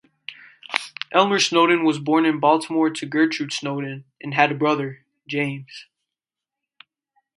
Elmer Snowden was born in Baltimore to Gertude Snowden, and had a brother, James.